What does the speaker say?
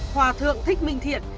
hòa thượng thích minh thiện